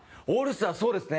そうですね。